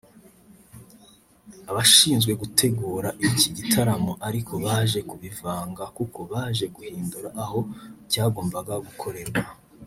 Abashinzwe gutegura iki gitaramo ariko baje kubivanga kuko baje guhindura aho cyagombaga gukorerwa